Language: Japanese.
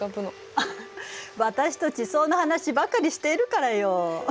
あはっ私と地層の話ばかりしているからよ。